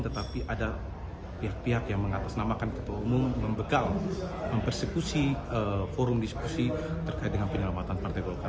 tetapi ada pihak pihak yang mengatasnamakan ketua umum membekal mempersekusi forum diskusi terkait dengan penyelamatan partai golkar